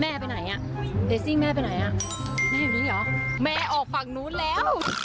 แม่ไปไหนเลสซิงแม่ไปไหนแม่อยู่นี่หรอแม่ออกฝั่งนู้นแล้ว